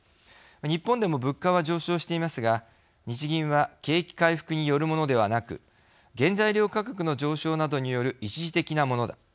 日本でも物価は上昇していますが日銀は景気回復によるものではなく原材料価格の上昇などによる一時的なものだ。